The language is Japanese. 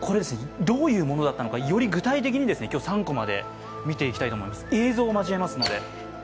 どういうものだったのか、より具体的に今日は「３コマ」で見ていきたいと思います。